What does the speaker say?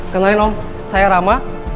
kenalin om saya rama